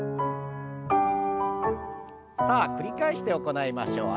さあ繰り返して行いましょう。